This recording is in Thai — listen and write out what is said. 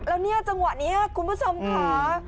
แล้วเนี่ยจังหวะนี้คุณผู้ชมค่ะ